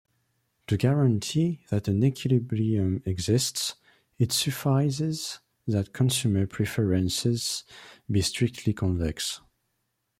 To guarantee that an equilibrium exists, it suffices that consumer preferences be strictly convex.